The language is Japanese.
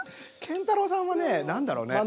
建太郎さんはね何だろうね。